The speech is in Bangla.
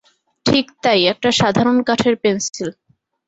ঠিক তাই, একটা সাধারণ কাঠের পেন্সিল।